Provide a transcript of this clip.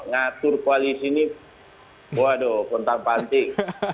ngatur koalisi ini waduh kontak pantik